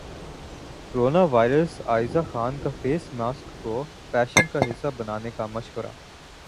corona virus Ayeza Khan کا face mask کو fashion کا حصہ بنانے کا مشورہ